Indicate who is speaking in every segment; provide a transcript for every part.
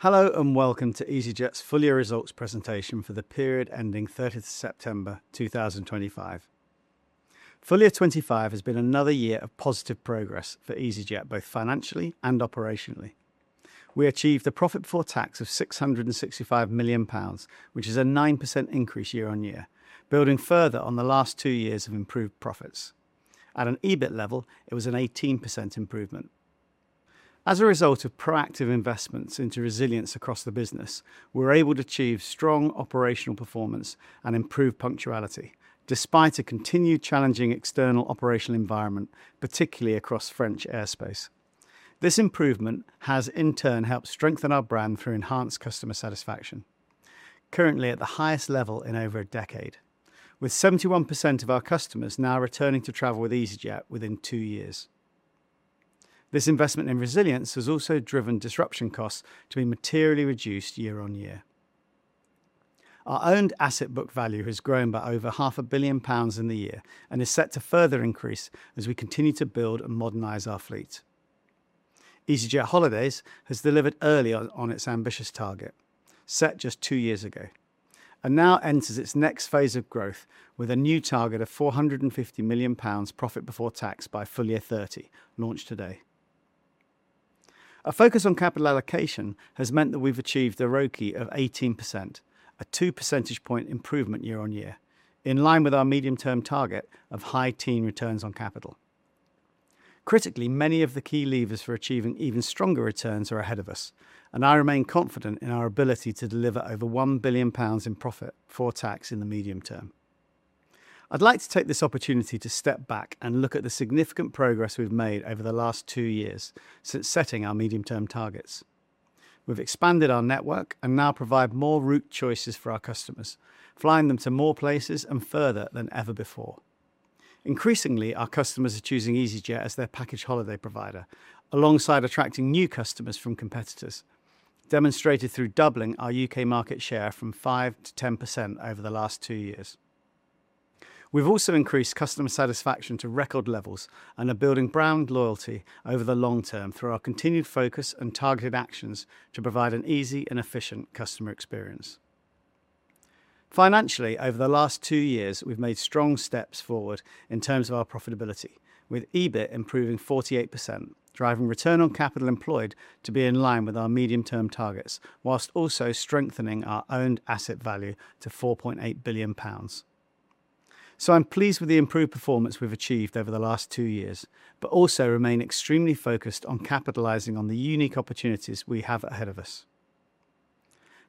Speaker 1: Hello and welcome to easyJet's Full Year Results Presentation for the period ending 30 September 2025. Full year 2025 has been another year of positive progress for easyJet, both financially and operationally. We achieved a profit before tax of 665 million pounds, which is a 9% increase year-on-year, building further on the last two years of improved profits. At an EBIT level, it was an 18% improvement. As a result of proactive investments into resilience across the business, we were able to achieve strong operational performance and improved punctuality, despite a continued challenging external operational environment, particularly across French airspace. This improvement has, in turn, helped strengthen our brand through enhanced customer satisfaction, currently at the highest level in over a decade, with 71% of our customers now returning to travel with easyJet within two years. This investment in resilience has also driven disruption costs to be materially reduced year-on-year. Our owned asset book value has grown by over 500 million pounds in the year and is set to further increase as we continue to build and modernize our fleet. easyJet holidays has delivered early on its ambitious target, set just two years ago, and now enters its next phase of growth with a new target of 450 million pounds profit before tax by full year 2030, launched today. A focus on capital allocation has meant that we've achieved a ROCE of 18%, a 2 percentage point improvement year-on-year, in line with our medium-term target of high teen returns on capital. Critically, many of the key levers for achieving even stronger returns are ahead of us, and I remain confident in our ability to deliver over 1 billion pounds in profit before tax in the medium term. I'd like to take this opportunity to step back and look at the significant progress we've made over the last two years since setting our medium-term targets. We've expanded our network and now provide more route choices for our customers, flying them to more places and further than ever before. Increasingly, our customers are choosing easyJet as their package holiday provider, alongside attracting new customers from competitors, demonstrated through doubling our U.K. market share from 5%-10% over the last two years. We've also increased customer satisfaction to record levels and are building brand loyalty over the long term through our continued focus and targeted actions to provide an easy and efficient customer experience. Financially, over the last two years, we've made strong steps forward in terms of our profitability, with EBIT improving 48%, driving return on capital employed to be in line with our medium-term targets, whilst also strengthening our owned asset value to 4.8 billion pounds. I'm pleased with the improved performance we've achieved over the last two years, but also remain extremely focused on capitalizing on the unique opportunities we have ahead of us.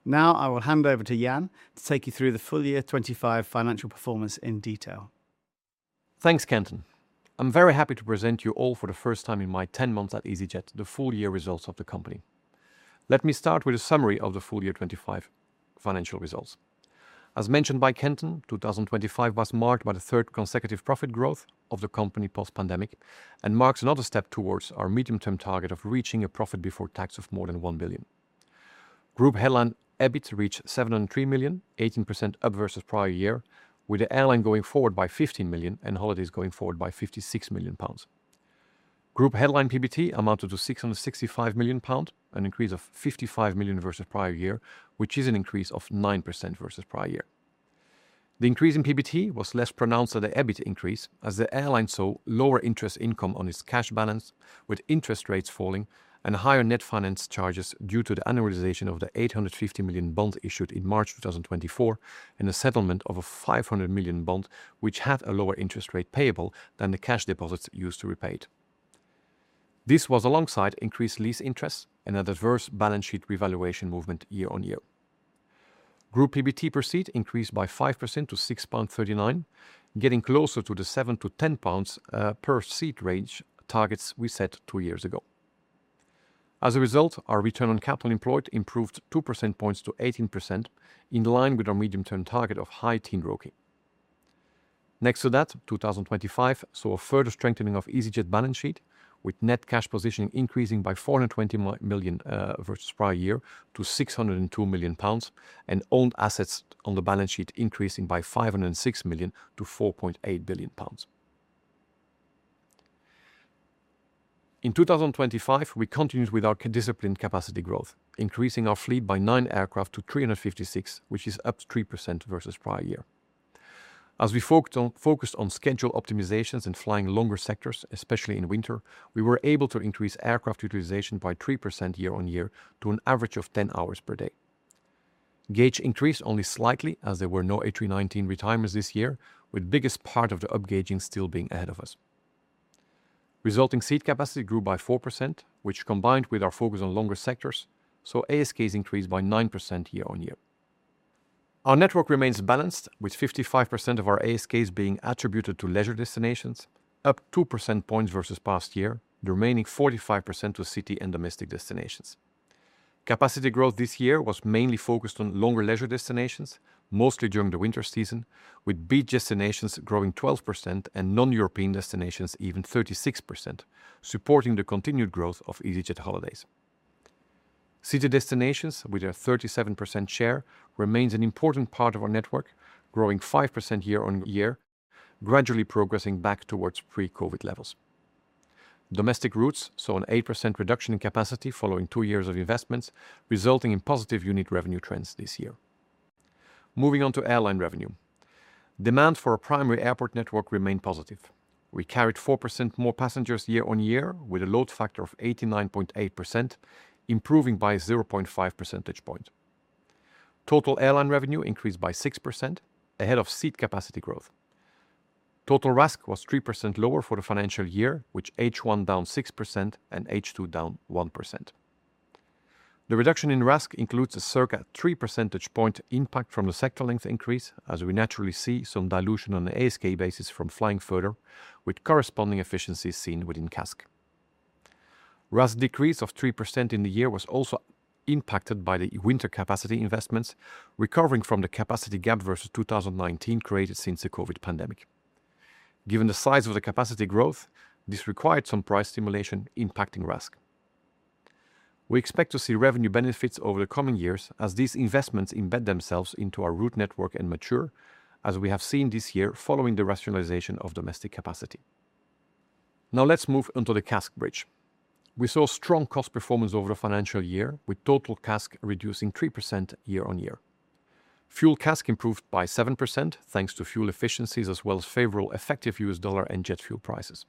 Speaker 1: Now I will hand over to Jan to take you through the full year 2025 financial performance in detail.
Speaker 2: Thanks, Kenton. I'm very happy to present you all for the first time in my 10 months at easyJet the full year results of the company. Let me start with a summary of the full year 2025 financial results. As mentioned by Kenton, 2025 was marked by the third consecutive profit growth of the company post-pandemic and marks another step towards our medium-term target of reaching a profit before tax of more than 1 billion. Group headline EBIT reached 703 million, 18% up versus prior year, with the airline going forward by 15 million and holidays going forward by 56 million pounds. Group headline PBT amounted to 665 million pounds, an increase of 55 million versus prior year, which is an increase of 9% versus prior year. The increase in PBT was less pronounced than the EBIT increase, as the airline saw lower interest income on its cash balance, with interest rates falling and higher net finance charges due to the annualization of the 850 million bond issued in March 2024 and the settlement of a 500 million bond, which had a lower interest rate payable than the cash deposits used to repay it. This was alongside increased lease interest and a diverse balance sheet revaluation movement year-on-year. Group PBT per seat increased by 5% to 6.39 pounds, getting closer to the 7-10 pounds per seat range targets we set two years ago. As a result, our return on capital employed improved 2 percentage points to 18%, in line with our medium-term target of high teen ROCE. Next to that, 2025 saw a further strengthening of easyJet balance sheet, with net cash positioning increasing by 420 million versus prior year to 602 million pounds and owned assets on the balance sheet increasing by 506 million to 4.8 billion pounds. In 2025, we continued with our disciplined capacity growth, increasing our fleet by nine aircraft to 356, which is up 3% versus prior year. As we focused on schedule optimizations and flying longer sectors, especially in winter, we were able to increase aircraft utilization by 3% year-on-year to an average of 10 hours per day. Gauge increased only slightly as there were no AB19 retimers this year, with the biggest part of the up gauging still being ahead of us. Resulting seat capacity grew by 4%, which combined with our focus on longer sectors saw ASKs increase by 9% year-on-year. Our network remains balanced, with 55% of our ASKs being attributed to leisure destinations, up 2 percentage points versus past year, the remaining 45% to City & Domestic destinations. Capacity growth this year was mainly focused on longer leisure destinations, mostly during the winter season, with beach destinations growing 12% and non-European destinations even 36%, supporting the continued growth of easyJet holidays. City destinations, with their 37% share, remains an important part of our network, growing 5% year-on-year, gradually progressing back towards pre-COVID levels. Domestic routes saw an 8% reduction in capacity following two years of investments, resulting in positive unit revenue trends this year. Moving on to airline revenue, demand for our primary airport network remained positive. We carried 4% more passengers year-on-year with a load factor of 89.8%, improving by 0.5 percentage points. Total Airline Revenue increased by 6% ahead of seat capacity growth. Total RASK was 3% lower for the financial year, with H1 down 6% and H2 down 1%. The reduction in RASK includes a circa 3 percentage point impact from the sector length increase, as we naturally see some dilution on the ASK basis from flying further, with corresponding efficiencies seen within CASK. RASK decrease of 3% in the year was also impacted by the winter capacity investments, recovering from the capacity gap versus 2019 created since the COVID pandemic. Given the size of the capacity growth, this required some price stimulation impacting RASK. We expect to see revenue benefits over the coming years as these investments embed themselves into our route network and mature, as we have seen this year following the rationalization of domestic capacity. Now let's move on to the CASK bridge. We saw strong cost performance over the financial year, with total CASK reducing 3% year-on-year. Fuel CASK improved by 7% thanks to fuel efficiencies as well as favorable effective U.S. dollar and jet fuel prices.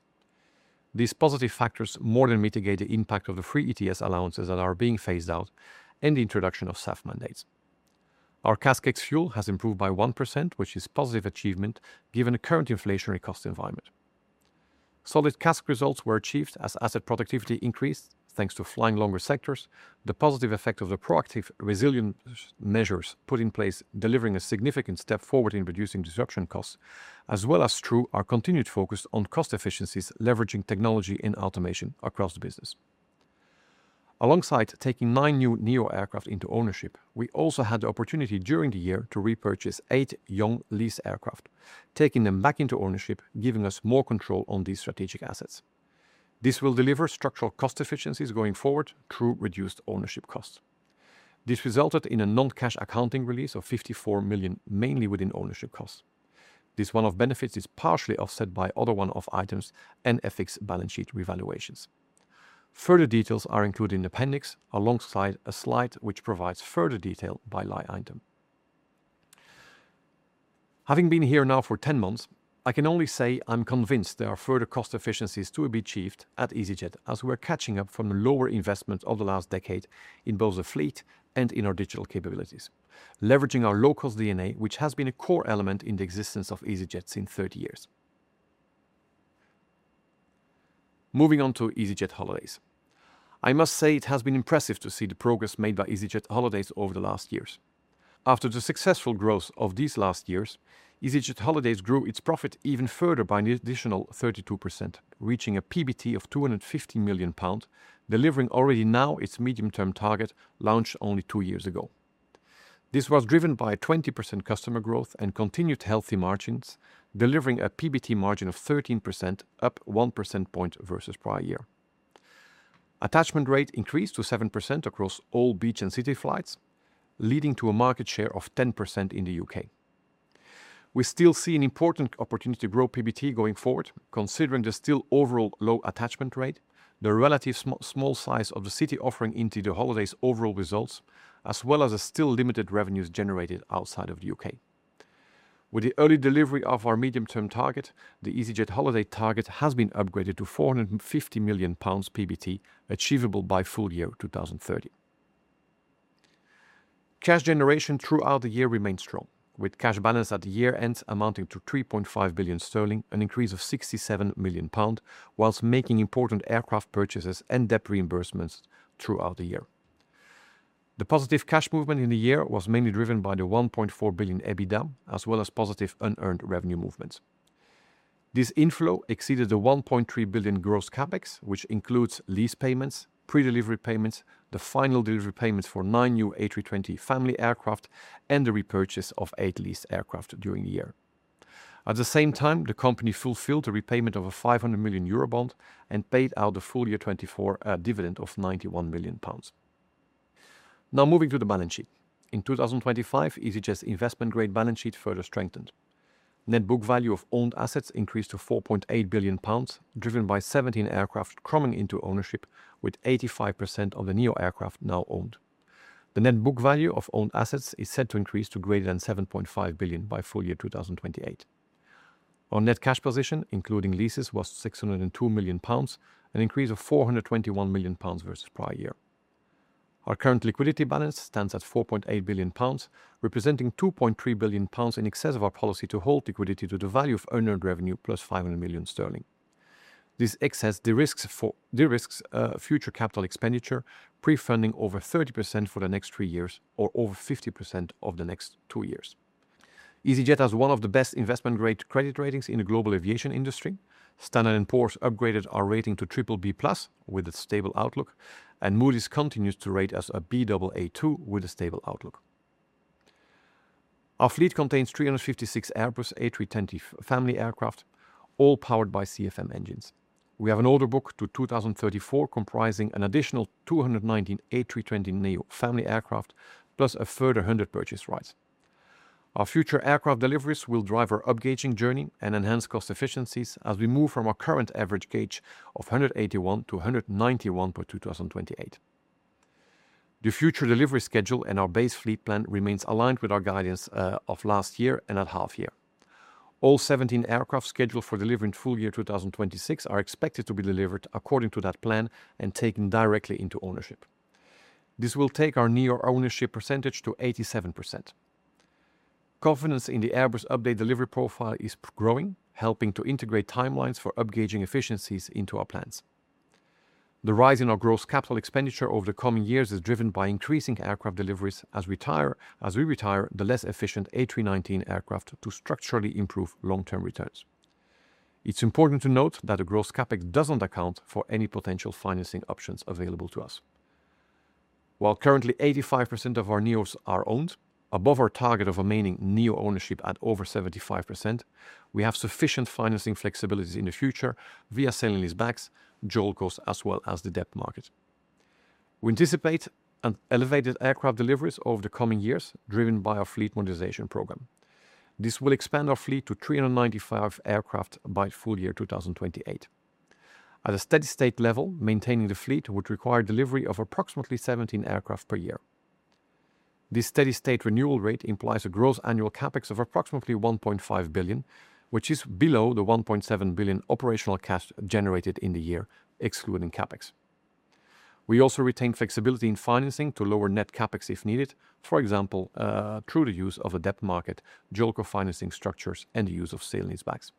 Speaker 2: These positive factors more than mitigate the impact of the free ETS allowances that are being phased out and the introduction of SAF mandates. Our CASK ex-fuel has improved by 1%, which is a positive achievement given the current inflationary cost environment. Solid CASK results were achieved as asset productivity increased thanks to flying longer sectors, the positive effect of the proactive resilience measures put in place, delivering a significant step forward in reducing disruption costs, as well as through our continued focus on cost efficiencies, leveraging technology and automation across the business. Alongside taking nine new NEO aircraft into ownership, we also had the opportunity during the year to repurchase eight young lease aircraft, taking them back into ownership, giving us more control on these strategic assets. This will deliver structural cost efficiencies going forward through reduced ownership costs. This resulted in a non-cash accounting release of 54 million, mainly within ownership costs. This one-off benefit is partially offset by other one-off items and FX balance sheet revaluations. Further details are included in the appendix alongside a slide which provides further detail by line item. Having been here now for 10 months, I can only say I'm convinced there are further cost efficiencies to be achieved at easyJet as we are catching up from the lower investment of the last decade in both the fleet and in our digital capabilities, leveraging our low-cost DNA, which has been a core element in the existence of easyJet since 30 years. Moving on to easyJet holidays, I must say it has been impressive to see the progress made by easyJet holidays over the last years. After the successful growth of these last years, easyJet holidays grew its profit even further by an additional 32%, reaching a PBT of 250 million pounds, delivering already now its medium-term target launched only two years ago. This was driven by 20% customer growth and continued healthy margins, delivering a PBT margin of 13%, up 1 percent points versus prior year. Attachment rate increased to 7% across all beach and city flights, leading to a market share of 10% in the U.K. We still see an important opportunity to grow PBT going forward, considering the still overall low attachment rate, the relatively small size of the city offering into the holidays' overall results, as well as the still limited revenues generated outside of the U.K. With the early delivery of our medium-term target, the easyJet holidays target has been upgraded to 450 million pounds PBT, achievable by full year 2030. Cash generation throughout the year remained strong, with cash balance at the year-end amounting to 3.5 billion sterling, an increase of 67 million pounds, whilst making important aircraft purchases and debt reimbursements throughout the year. The positive cash movement in the year was mainly driven by the 1.4 billion EBITDA, as well as positive unearned revenue movements. This inflow exceeded the 1.3 billion gross CapEx, which includes lease payments, pre-delivery payments, the final delivery payments for nine new A320neo family aircraft, and the repurchase of eight leased aircraft during the year. At the same time, the company fulfilled the repayment of a 500 million euro bond and paid out the full year 2024 dividend of 91 million pounds. Now moving to the balance sheet, in 2025, easyJet's investment grade balance sheet further strengthened. Net book value of owned assets increased to 4.8 billion pounds, driven by 17 aircraft coming into ownership, with 85% of the NEO aircraft now owned. The net book value of owned assets is set to increase to greater than 7.5 billion by full year 2028. Our net cash position, including leases, was 602 million pounds, an increase of 421 million pounds versus prior year. Our current liquidity balance stands at 4.8 billion pounds, representing 2.3 billion pounds in excess of our policy to hold liquidity to the value of unearned revenue plus 500 million sterling. This excess de risks future capital expenditure, prefunding over 30% for the next three years or over 50% of the next two years. easyJet has one of the best investment grade credit ratings in the global aviation industry. Standard & Poor's upgraded our rating to BBB+ with a stable outlook, and Moody's continues to rate us a Baa2 with a stable outlook. Our fleet contains 356 Airbus A320 family aircraft, all powered by CFM engines. We have an order book to 2034, comprising an additional 219 A320neo family aircraft plus a further 100 purchase rights. Our future aircraft deliveries will drive our up gauging journey and enhance cost efficiencies as we move from our current average gauge of 181-191 for 2028. The future delivery schedule and our base fleet plan remains aligned with our guidance of last year and at half year. All 17 aircraft scheduled for delivery in full year 2026 are expected to be delivered according to that plan and taken directly into ownership. This will take our NEO ownership percentage to 87%. Confidence in the Airbus update delivery profile is growing, helping to integrate timelines for up gauging efficiencies into our plans. The rise in our gross capital expenditure over the coming years is driven by increasing aircraft deliveries as we retire the less efficient A319 aircraft to structurally improve long-term returns. It's important to note that the gross CapEx doesn't account for any potential financing options available to us. While currently 85% of our NEOs are owned, above our target of remaining NEO ownership at over 75%, we have sufficient financing flexibilities in the future via sale leasebacks, JOLCOs, as well as the debt market. We anticipate elevated aircraft deliveries over the coming years, driven by our fleet modernization program. This will expand our fleet to 395 aircraft by full year 2028. At a steady state level, maintaining the fleet would require delivery of approximately 17 aircraft per year. This steady state renewal rate implies a gross annual CapEx of approximately 1.5 billion, which is below the 1.7 billion operational cash generated in the year, excluding CapEx. We also retain flexibility in financing to lower net CapEx if needed, for example, through the use of a debt market, JOLCO financing structures, and the use of sale leasebacks.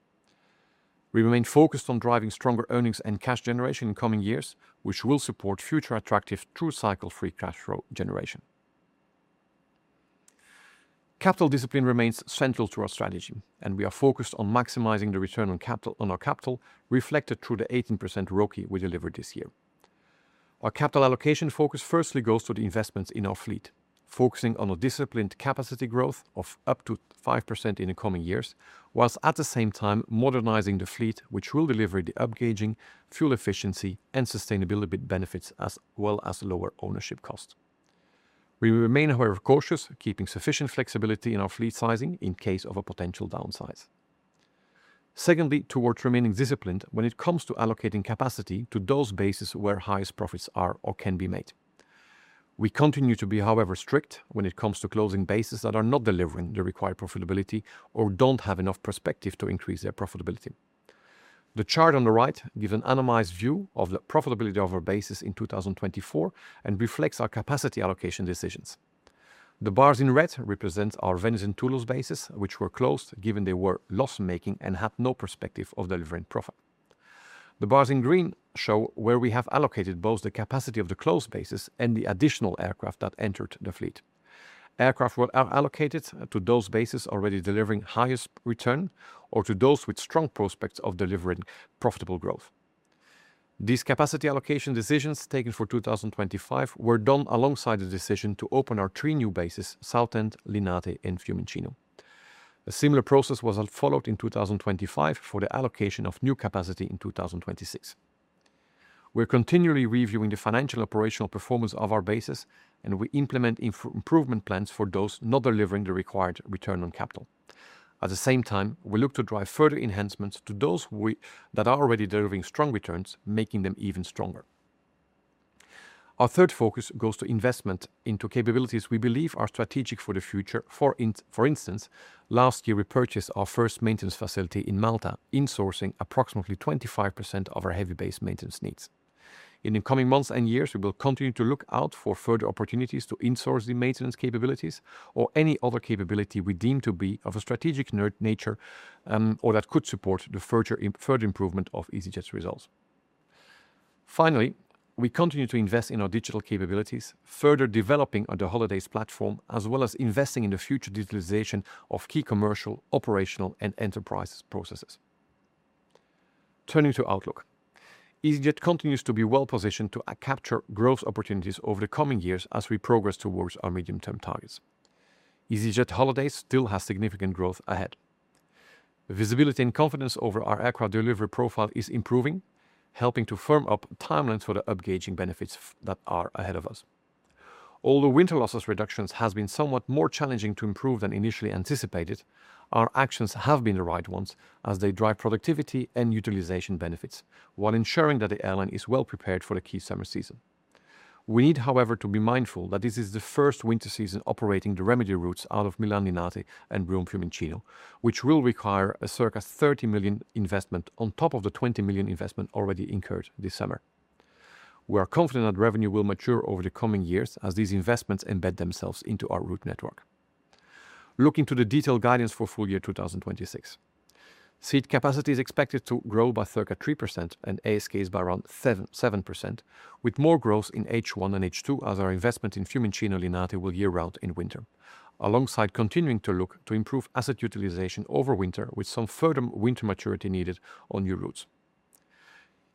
Speaker 2: We remain focused on driving stronger earnings and cash generation in coming years, which will support future attractive true cycle free cash flow generation. Capital discipline remains central to our strategy, and we are focused on maximizing the return on our capital reflected through the 18% ROI we delivered this year. Our capital allocation focus firstly goes to the investments in our fleet, focusing on a disciplined capacity growth of up to 5% in the coming years, whilst at the same time modernizing the fleet, which will deliver the up gauging, fuel efficiency, and sustainability benefits, as well as lower ownership costs. We remain, however, cautious, keeping sufficient flexibility in our fleet sizing in case of a potential downsize. Secondly, towards remaining disciplined when it comes to allocating capacity to those bases where highest profits are or can be made. We continue to be, however, strict when it comes to closing bases that are not delivering the required profitability or do not have enough perspective to increase their profitability. The chart on the right gives an anonymized view of the profitability of our bases in 2024 and reflects our capacity allocation decisions. The bars in red represent our Venice and Toulouse bases, which were closed given they were loss-making and had no perspective of delivering profit. The bars in green show where we have allocated both the capacity of the closed bases and the additional aircraft that entered the fleet. Aircraft were allocated to those bases already delivering highest return or to those with strong prospects of delivering profitable growth. These capacity allocation decisions taken for 2025 were done alongside the decision to open our three new bases: Southend, Linate, and Fiumicino A similar process was followed in 2025 for the allocation of new capacity in 2026. We're continually reviewing the financial operational performance of our bases, and we implement improvement plans for those not delivering the required return on capital. At the same time, we look to drive further enhancements to those that are already delivering strong returns, making them even stronger. Our third focus goes to investment into capabilities we believe are strategic for the future. For instance, last year we purchased our first maintenance facility in Malta, insourcing approximately 25% of our heavy-based maintenance needs. In the coming months and years, we will continue to look out for further opportunities to insource the maintenance capabilities or any other capability we deem to be of a strategic nature or that could support the further improvement of easyJet's results. Finally, we continue to invest in our digital capabilities, further developing the holidays platform, as well as investing in the future digitalization of key commercial, operational, and enterprise processes. Turning to outlook, easyJet continues to be well positioned to capture growth opportunities over the coming years as we progress towards our medium-term targets. easyJet holidays still has significant growth ahead. Visibility and confidence over our aircraft delivery profile is improving, helping to firm up timelines for the up gauging benefits that are ahead of us. Although winter losses reductions have been somewhat more challenging to improve than initially anticipated, our actions have been the right ones as they drive productivity and utilization benefits while ensuring that the airline is well prepared for the key summer season. We need, however, to be mindful that this is the first winter season operating the remedy routes out of Milan Linate and Rome Fiumicino, which will require a circa 30 million investment on top of the 20 million investment already incurred this summer. We are confident that revenue will mature over the coming years as these investments embed themselves into our route network. Looking to the detailed guidance for full year 2026, Seat capacity is expected to grow by circa 3% and ASKs by around 7%, with more growth in H1 and H2 as our investment in Fiumicino Linate will year-round in winter, alongside continuing to look to improve asset utilization over winter with some further winter maturity needed on new routes.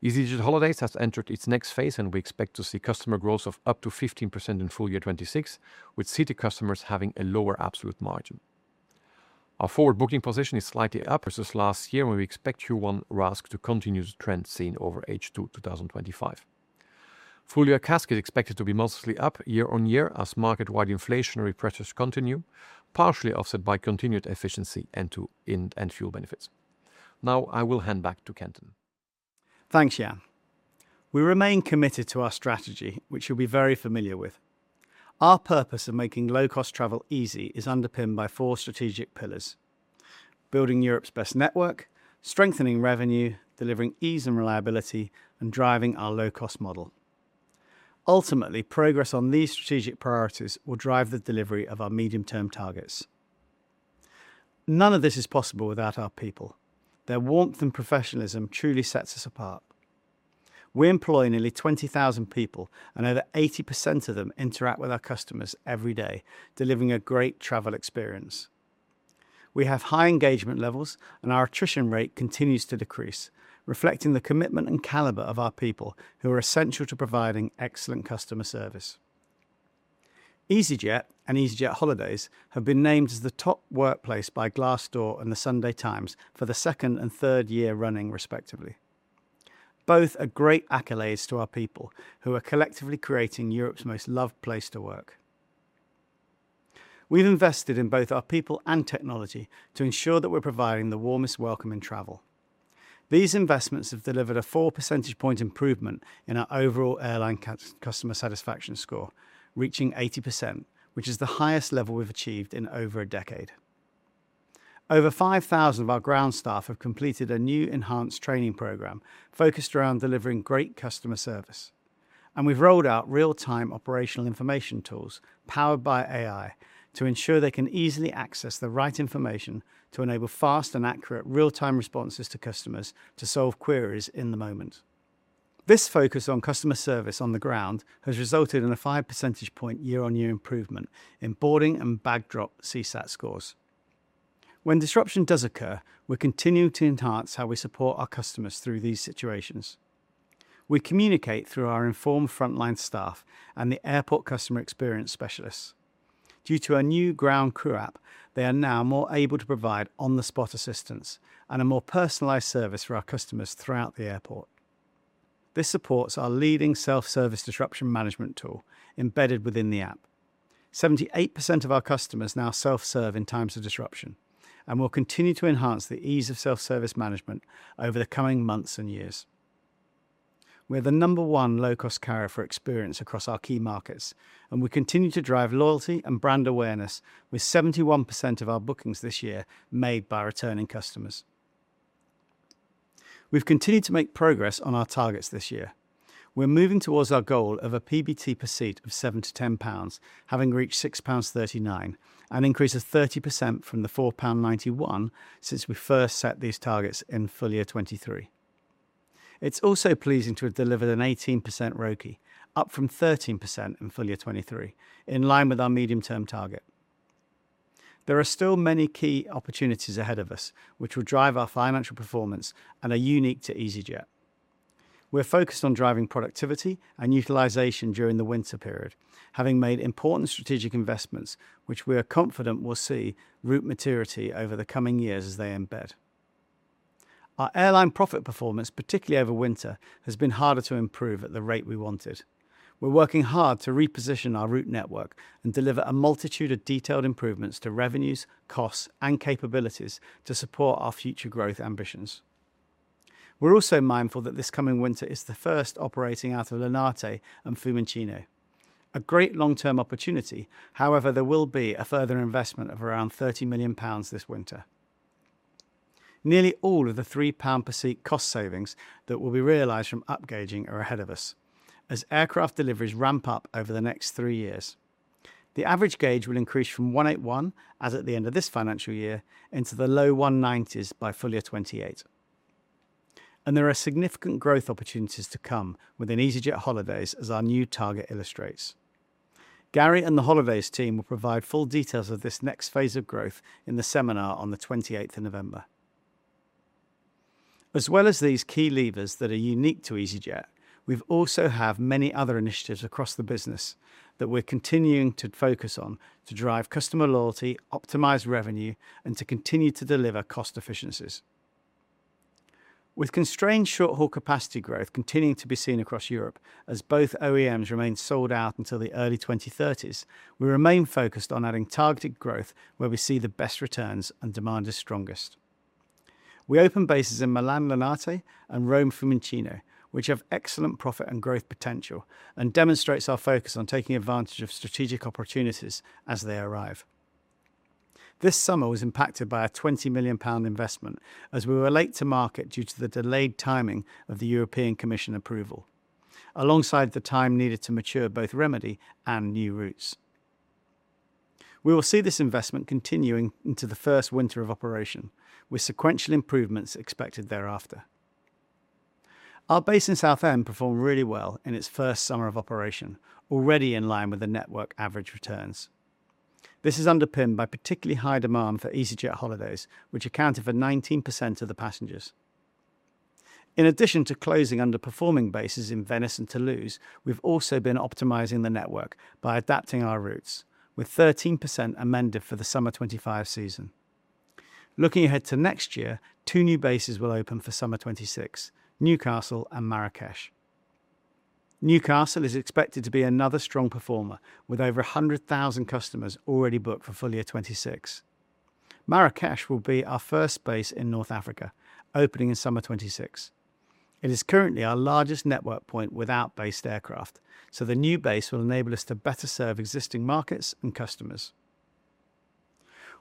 Speaker 2: easyJet holidays has entered its next phase, and we expect to see customer growth of up to 15% in full year 2026, with city customers having a lower absolute margin. Our forward booking position is slightly up versus last year, and we expect Q1 RASK to continue the trend seen over H2 2025. Full year CASK is expected to be mostly up year-on-year as market-wide inflationary pressures continue, partially offset by continued efficiency and fuel benefits. Now I will hand back to Kenton.
Speaker 1: Thanks, Jan. We remain committed to our strategy, which you'll be very familiar with. Our purpose of making low-cost travel easy is underpinned by four strategic pillars: building Europe's best network, strengthening revenue, delivering ease and reliability, and driving our low-cost model. Ultimately, progress on these strategic priorities will drive the delivery of our medium-term targets. None of this is possible without our people. Their warmth and professionalism truly sets us apart. We employ nearly 20,000 people, and over 80% of them interact with our customers every day, delivering a great travel experience. We have high engagement levels, and our attrition rate continues to decrease, reflecting the commitment and caliber of our people who are essential to providing excellent customer service. easyJet and easyJet holidays have been named as the top workplace by Glassdoor and the Sunday Times for the second and third year running, respectively. Both are great accolades to our people who are collectively creating Europe's most loved place to work. We've invested in both our people and technology to ensure that we're providing the warmest welcome in travel. These investments have delivered a 4 percentage point improvement in our overall airline customer satisfaction score, reaching 80%, which is the highest level we've achieved in over a decade. Over 5,000 of our ground staff have completed a new enhanced training program focused around delivering great customer service, and we've rolled out real-time operational information tools powered by AI to ensure they can easily access the right information to enable fast and accurate real-time responses to customers to solve queries in the moment. This focus on customer service on the ground has resulted in a 5 percentage point year-on-year improvement in boarding and bag drop CSAT scores. When disruption does occur, we continue to enhance how we support our customers through these situations. We communicate through our informed frontline staff and the airport customer experience specialists. Due to our new ground crew app, they are now more able to provide on-the-spot assistance and a more personalized service for our customers throughout the airport. This supports our leading self-service disruption management tool embedded within the app. 78% of our customers now self-serve in times of disruption, and we'll continue to enhance the ease of self-service management over the coming months and years. We're the number one low-cost carrier for experience across our key markets, and we continue to drive loyalty and brand awareness with 71% of our bookings this year made by returning customers. We've continued to make progress on our targets this year. We're moving towards our goal of a PBT per seat of 7-10 pounds, having reached 6.39 pounds, an increase of 30% from the 4.91 pound since we first set these targets in full year 2023. It's also pleasing to have delivered an 18% ROCC, up from 13% in full year 2023, in line with our medium-term target. There are still many key opportunities ahead of us, which will drive our financial performance and are unique to easyJet. We're focused on driving productivity and utilization during the winter period, having made important strategic investments, which we are confident will see route maturity over the coming years as they embed. Our airline profit performance, particularly over winter, has been harder to improve at the rate we wanted. We're working hard to reposition our route network and deliver a multitude of detailed improvements to revenues, costs, and capabilities to support our future growth ambitions. We're also mindful that this coming winter is the first operating out of Linate and Fiumicino. A great long-term opportunity. However, there will be a further investment of around 30 million pounds this winter. Nearly all of the 3 pound per seat cost savings that will be realized from up gauging are ahead of us as aircraft deliveries ramp up over the next three years. The average gauge will increase from 181, as at the end of this financial year, into the low 190s by full year 2028. There are significant growth opportunities to come within easyJet holidays, as our new target illustrates. Garry and the holidays team will provide full details of this next phase of growth in the seminar on the 28th of November. As well as these key levers that are unique to easyJet, we also have many other initiatives across the business that we're continuing to focus on to drive customer loyalty, optimize revenue, and to continue to deliver cost efficiencies. With constrained short-haul capacity growth continuing to be seen across Europe as both OEMs remain sold out until the early 2030s, we remain focused on adding targeted growth where we see the best returns and demand is strongest. We open bases in Milan Linate and Rome Fiumicino, which have excellent profit and growth potential, and demonstrates our focus on taking advantage of strategic opportunities as they arrive. This summer was impacted by a 20 million pound investment as we were late to market due to the delayed timing of the European Commission approval, alongside the time needed to mature both remedy and new routes. We will see this investment continuing into the first winter of operation, with sequential improvements expected thereafter. Our base in Southend performed really well in its first summer of operation, already in line with the network average returns. This is underpinned by particularly high demand for easyJet holidays, which accounted for 19% of the passengers. In addition to closing underperforming bases in Venice and Toulouse, we've also been optimizing the network by adapting our routes, with 13% amended for the summer 2025 season. Looking ahead to next year, two new bases will open for summer 2026: Newcastle and Marrakesh. Newcastle is expected to be another strong performer, with over 100,000 customers already booked for full year 2026. Marrakesh will be our first base in North Africa, opening in summer 2026. It is currently our largest network point without based aircraft, so the new base will enable us to better serve existing markets and customers.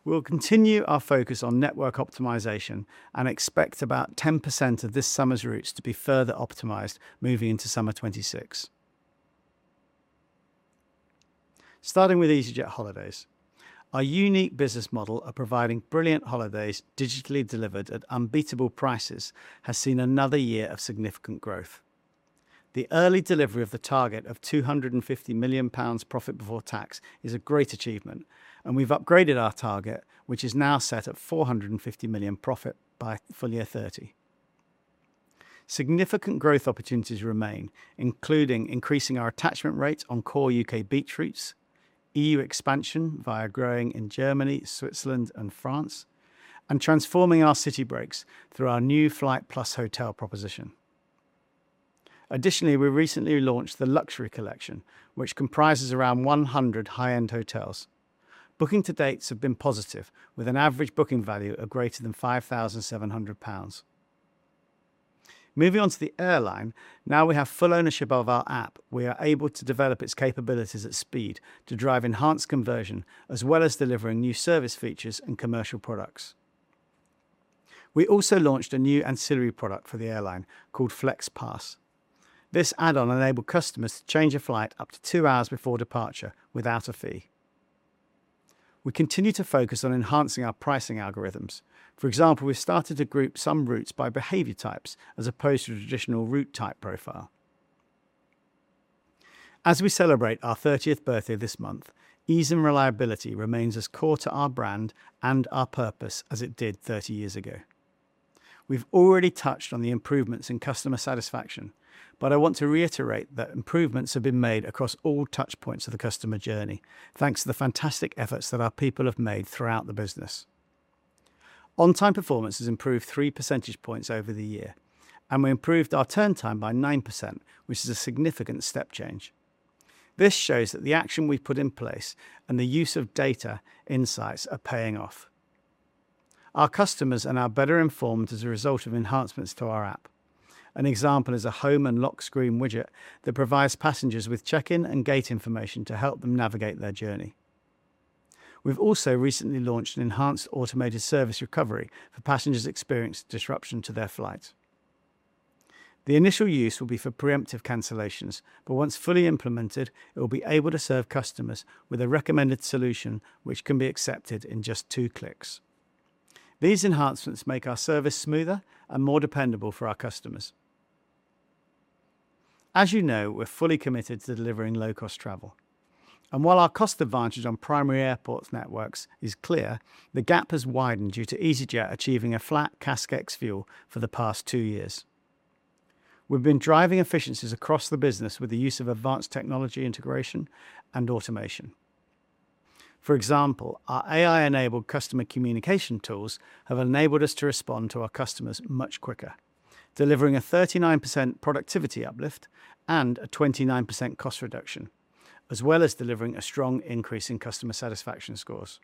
Speaker 1: We'll continue our focus on network optimization and expect about 10% of this summer's routes to be further optimized moving into summer 2026. Starting with easyJet holidays, our unique business model of providing brilliant holidays digitally delivered at unbeatable prices has seen another year of significant growth. The early delivery of the target of 250 million pounds profit before tax is a great achievement, and we've upgraded our target, which is now set at 450 million profit by full year 2030. Significant growth opportunities remain, including increasing our attachment rates on core U.K. beach routes, EU expansion via growing in Germany, Switzerland, and France, and transforming our city breaks through our new flight plus hotel proposition. Additionally, we recently launched the Luxury Collection, which comprises around 100 high-end hotels. Booking to dates have been positive, with an average booking value of greater than 5,700 pounds. Moving on to the airline, now we have full ownership of our app. We are able to develop its capabilities at speed to drive enhanced conversion, as well as delivering new service features and commercial products. We also launched a new ancillary product for the airline called FlexPass. This add-on enables customers to change a flight up to two hours before departure without a fee. We continue to focus on enhancing our pricing algorithms. For example, we started to group some routes by behavior types as opposed to a traditional route type profile. As we celebrate our 30th birthday this month, ease and reliability remains as core to our brand and our purpose as it did 30 years ago. We've already touched on the improvements in customer satisfaction, but I want to reiterate that improvements have been made across all touch points of the customer journey, thanks to the fantastic efforts that our people have made throughout the business. On-time performance has improved 3 percentage points over the year, and we improved our turn time by 9%, which is a significant step change. This shows that the action we've put in place and the use of data insights are paying off. Our customers are now better informed as a result of enhancements to our app. An example is a home and lock screen widget that provides passengers with check-in and gate information to help them navigate their journey. We've also recently launched an enhanced automated service recovery for passengers experiencing disruption to their flights. The initial use will be for preemptive cancellations, but once fully implemented, it will be able to serve customers with a recommended solution, which can be accepted in just two clicks. These enhancements make our service smoother and more dependable for our customers. As you know, we're fully committed to delivering low-cost travel. While our cost advantage on primary airport networks is clear, the gap has widened due to easyJet achieving a flat CASK ex fuel for the past two years. We have been driving efficiencies across the business with the use of advanced technology integration and automation. For example, our AI-enabled customer communication tools have enabled us to respond to our customers much quicker, delivering a 39% productivity uplift and a 29% cost reduction, as well as delivering a strong increase in customer satisfaction scores.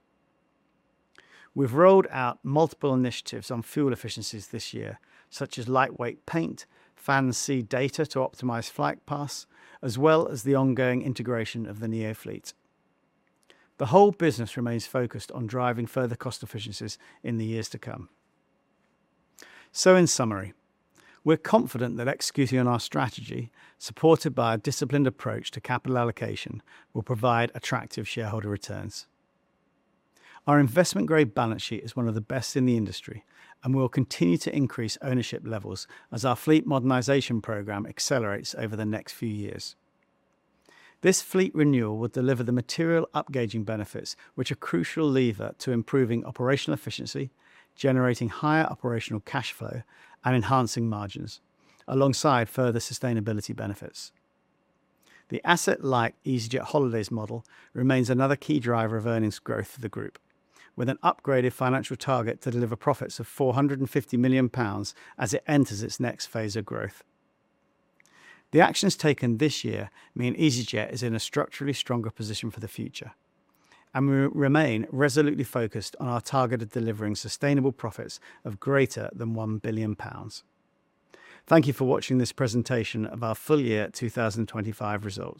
Speaker 1: We have rolled out multiple initiatives on fuel efficiencies this year, such as lightweight paint, fan speed data to optimize flight paths, as well as the ongoing integration of the NEO fleet. The whole business remains focused on driving further cost efficiencies in the years to come. In summary, we're confident that executing on our strategy, supported by a disciplined approach to capital allocation, will provide attractive shareholder returns. Our investment-grade balance sheet is one of the best in the industry, and we'll continue to increase ownership levels as our fleet modernization program accelerates over the next few years. This fleet renewal will deliver the material up gauging benefits, which are crucial levers to improving operational efficiency, generating higher operational cash flow, and enhancing margins, alongside further sustainability benefits. The asset-light easyJet holidays model remains another key driver of earnings growth for the group, with an upgraded financial target to deliver profits of 450 million pounds as it enters its next phase of growth. The actions taken this year mean easyJet is in a structurally stronger position for the future, and we remain resolutely focused on our target of delivering sustainable profits of greater than 1 billion pounds. Thank you for watching this presentation of our full year 2025 results.